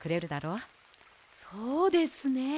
そうですね。